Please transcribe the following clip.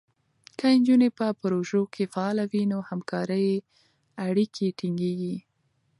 که نجونې په پروژو کې فعاله وي، نو همکارۍ اړیکې ټینګېږي.